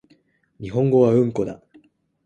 日本語はうんこだ